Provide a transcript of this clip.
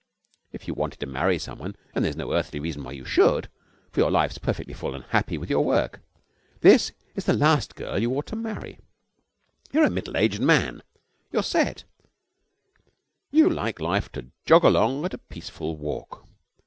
'If you wanted to marry some one and there's no earthly reason why you should, for your life's perfectly full and happy with your work this is the last girl you ought to marry. You're a middle aged man. You're set. You like life to jog along at a peaceful walk.